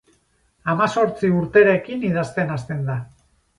Hamazortzi urterekin idazten hasten da.